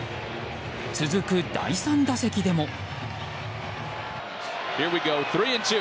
続く第３打席でも。